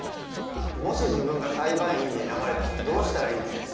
もし自分が裁判員に選ばれたらどうしたらいいんだろう？